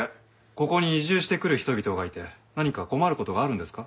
ここに移住してくる人々がいて何か困る事があるんですか？